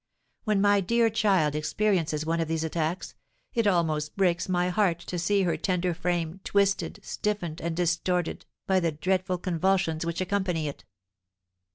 When my dear child experiences one of these attacks, it almost breaks my heart to see her tender frame twisted, stiffened, and distorted, by the dreadful convulsions which accompany it.